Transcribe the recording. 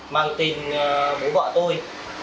mang tình bố bọ tôi